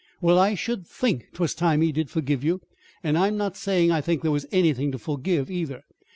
"Well, I should think 'twas time he did forgive you and I'm not saying I think there was anything to forgive, either.